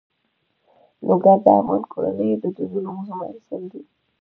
لوگر د افغان کورنیو د دودونو مهم عنصر دی.